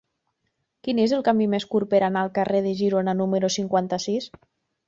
Quin és el camí més curt per anar al carrer de Girona número cinquanta-sis?